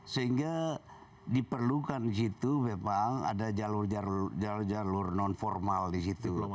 sehingga diperlukan di situ memang ada jalur jalur non formal di situ